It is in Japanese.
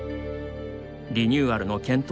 リニューアルの検討